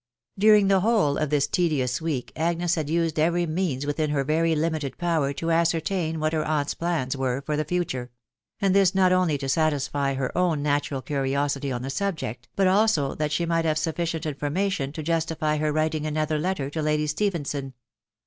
During the whole of this tedious week Agnes had used every means within her very limited power to ascertain what her aunt's plans were for the future ; and this not only to sa tisfy her own natural curiosity on the subject, but also that she might have sufficient information to justify her writing another letter to Lady Stephenson.